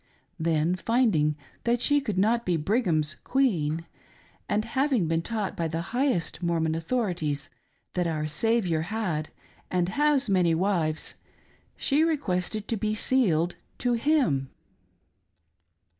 Then finding that she could not be Brigham's "queen," and having been taught by the highest Mormon Authorities that our Saviour had, and has, many wives, she requested to be " sealed " to Him